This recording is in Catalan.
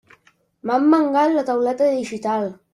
M'han mangat la tauleta digital!